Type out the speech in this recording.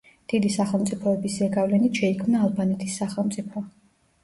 დიდი სახელმწიფოების ზეგავლენით შეიქმნა ალბანეთის სახელმწიფო.